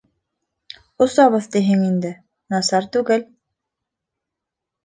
Осабыҙ тиһең инде, насар түгел...